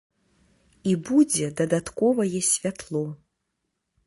І будзе дадатковае святло.